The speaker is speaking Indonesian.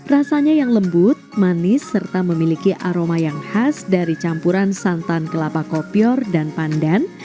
rasanya yang lembut manis serta memiliki aroma yang khas dari campuran santan kelapa kopior dan pandan